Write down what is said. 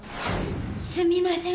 すみません。